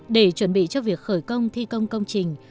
để chuẩn bị cho việc khởi công thi công công trình